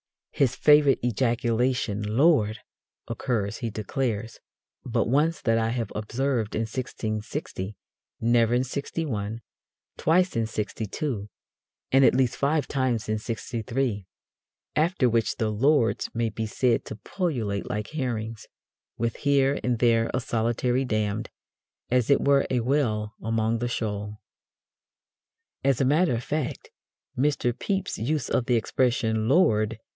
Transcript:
"His favourite ejaculation, 'Lord!' occurs," he declares, "but once that I have observed in 1660, never in '61, twice in '62, and at least five times in '63; after which the 'Lords' may be said to pullulate like herrings, with here and there a solitary 'damned,' as it were a whale among the shoal." As a matter of fact, Mr. Pepys's use of the expression "Lord!"